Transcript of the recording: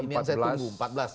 ini yang saya tunggu